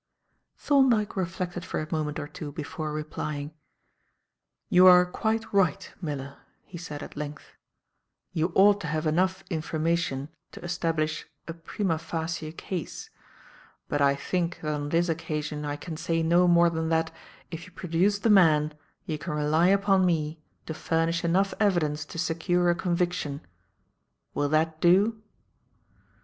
Thorndyke reflected for a moment or two before replying. "You are quite right. Miller," he said, at length, "you ought to have enough information to establish a prima facie case. But I think, that on this occasion, I can say no more than that, if you produce the man, you can rely upon me to furnish enough evidence to secure a conviction. Will that do?"